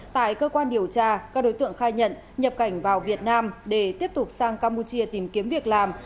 tại cơ quan điều tra các đối tượng khai nhận nhập cảnh vào việt nam để tiếp tục sang campuchia tìm kiếm việc làm